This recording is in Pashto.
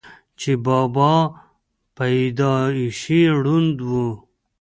چې بابا پېدائشي ړوند وو،